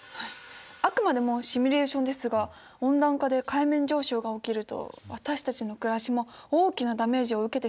あくまでもシミュレーションですが温暖化で海面上昇が起きると私たちの暮らしも大きなダメージを受けてしまいますね。